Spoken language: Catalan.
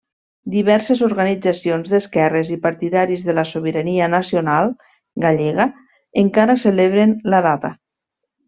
Diverses organitzacions d'esquerres i partidaris de la sobirania nacional gallega encara celebren la data.